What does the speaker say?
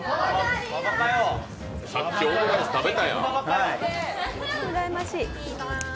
さっきオムライス食べたやん。